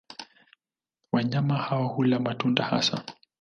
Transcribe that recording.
Wanyama hao hula matunda hasa.